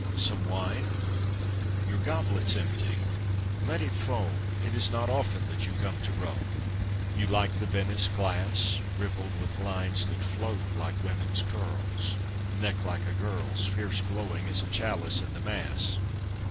Some wine? Your goblet's empty? Let it foam! It is not often that you come to Rome! You like the Venice glass? Rippled with lines that float like women's curls, Neck like a girl's, Fierce glowing as a chalice in the Mass?